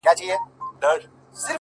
اوس دادی ـ